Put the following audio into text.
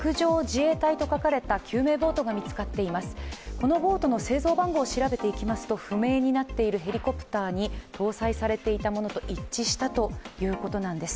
このボートの製造番号を調べていきますと、不明になっているヘリコプターに搭載されていたものと一致したということなんです。